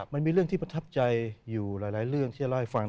มันมีเรื่องที่ประทับใจอยู่หลายเรื่องที่จะเล่าให้ฟัง